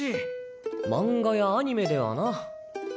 マンガやアニメではな。